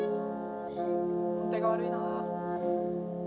音程が悪いな。